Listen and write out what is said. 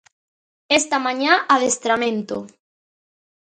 Esta mañá adestramento.